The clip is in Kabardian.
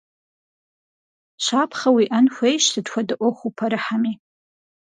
Щапхъэ уиIэн хуейщ сыт хуэдэ Iуэху упэрыхьэми.